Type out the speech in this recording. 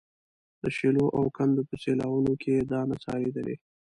د شیلو او کندو په سیلاوونو کې یې دا نڅا لیدلې.